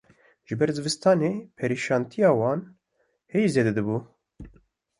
Ji ber zivistanê perîşantiya wan hê jî zêde dibû